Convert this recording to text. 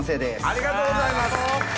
ありがとうございます！